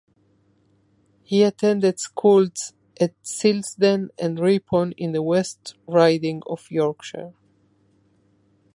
He attended schools at Silsden and Ripon in the West Riding of Yorkshire.